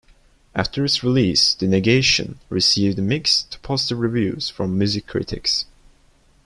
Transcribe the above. After its release, "The Negation" received mixed to positive reviews from music critics.